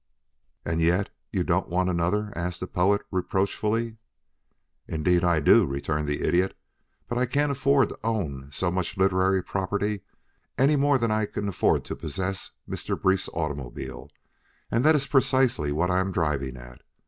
"And yet you don't want another?" asked the Poet, reproachfully. "Indeed I do," returned the Idiot, "but I can't afford to own so much literary property any more than I can afford to possess Mr. Brief's automobile and this is precisely what I am driving at.